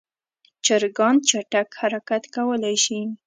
چرګان چټک حرکت کولی شي.